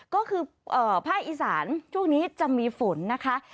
ก็คือภาคอีสานช่วงนี้จะมีฝนนะคะ